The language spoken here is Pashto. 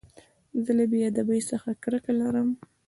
زه له بېادبۍ څخه کرکه لرم.